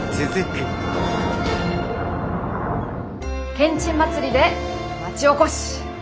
けんちん祭りで町おこし。